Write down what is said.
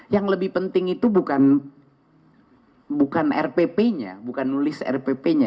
yang lebih penting itu bukan rpp nya bukan nulis rpp nya